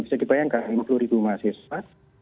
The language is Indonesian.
bisa dibayangkan lima puluh ribu mahasiswa